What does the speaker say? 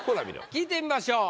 聞いてみましょう。